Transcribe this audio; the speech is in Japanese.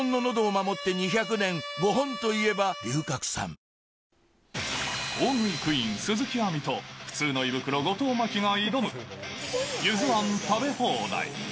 ペイトク大食いクイーン、鈴木亜美と、普通の胃袋、後藤真希が挑む、ゆず庵食べ放題。